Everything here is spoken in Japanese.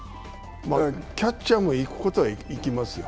キャッチャーもいくことはいきます。